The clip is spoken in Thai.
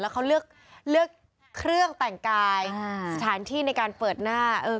แล้วเขาเลือกคืองแต่งกายสถานที่ในการเปิดหน้า